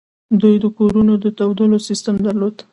دوی د کورونو د تودولو سیستم درلود